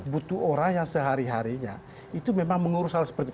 butuh orang yang sehari harinya itu memang mengurus hal seperti itu